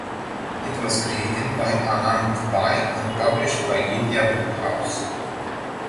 It was created by Anant Pai, and published by India Book House.